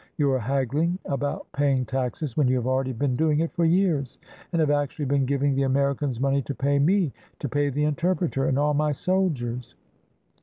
"You are hagghng about paying taxes when you have already been doing it for years, and have actually been giving the Americans money to pay me, to pay the interpreter and all my soldiers."